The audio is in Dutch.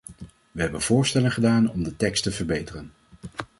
We hebben voorstellen gedaan om de tekst te verbeteren.